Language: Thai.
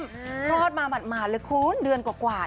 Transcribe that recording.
พลอดมามาละคุ้นเดือนกว่า